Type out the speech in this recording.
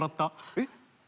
えっ？